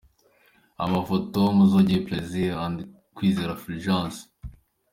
Amafoto: Muzogeye Plaisir & Kwizera Fulgence.